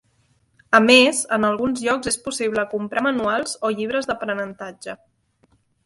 A més, en alguns llocs és possible comprar manuals o llibres d'aprenentatge.